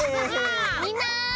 みんな。